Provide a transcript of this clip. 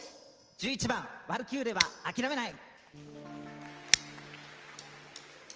１１番「ワルキューレはあきらめない」。